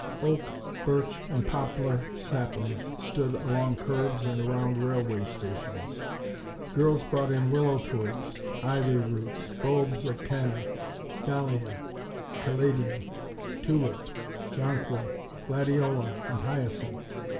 Oak, birch and poplar saplings stood along curbs and around railway stations; girls brought in willow twigs, ivy roots, bulbs of canna, dahlia, calladium, tulip, jonquil, gladiola and hyacinth.